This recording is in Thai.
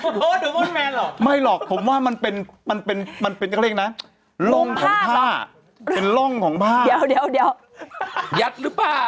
ผมไม่ได้ดูด้วยแบบมาเอาไปลงผมก็ไม่รู้